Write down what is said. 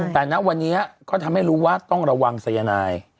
แต่ณวันนี้ก็ทำให้รู้ว่าต้องระวังสายนาย